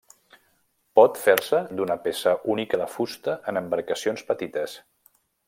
Pot fer-se d’una peça única de fusta en embarcacions petites.